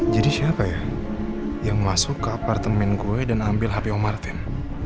jadi siapa ya yang masuk ke apartemen gue dan ambil hp om martin